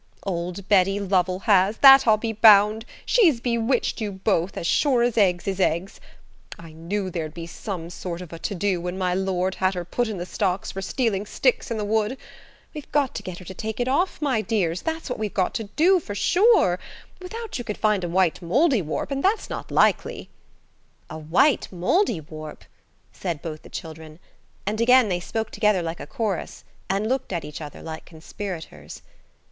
"Old Betty Lovell has–that I'll be bound! She's bewitched you both, sure as eggs is eggs. I knew there'd be some sort of a to do when my lord had her put in the stocks for stealing sticks in the wood. We've got to get her to take it off, my dears, that's what we've got to do, for sure; without you could find a white Mouldiwarp, and that's not likely." "A white Mouldiwarp?" said both the children, and again they spoke together like a chorus and looked at each other like conspirators.